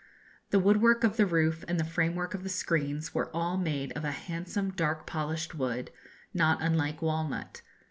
The woodwork of the roof and the framework of the screens were all made of a handsome dark polished wood, not unlike walnut.